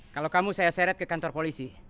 kalau kamu saya seret ke kantor polisi